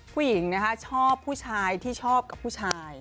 ผู้หญิงนะคะชอบผู้ชายที่ชอบกับผู้ชาย